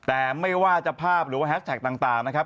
แต่ไม่ว่าจะภาพหรือว่าแฮชแท็กต่างนะครับ